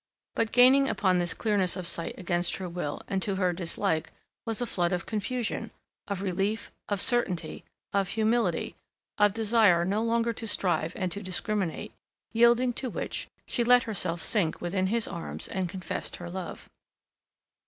But, gaining upon this clearness of sight against her will, and to her dislike, was a flood of confusion, of relief, of certainty, of humility, of desire no longer to strive and to discriminate, yielding to which, she let herself sink within his arms and confessed her love.